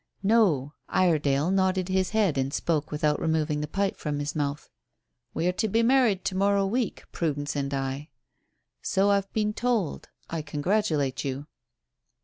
"No." Iredale nodded his head and spoke without removing the pipe from his mouth. "We are to be married to morrow week Prudence and I." "So I've been told. I congratulate you."